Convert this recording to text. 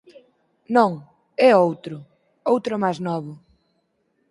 Non; é outro... outro más novo.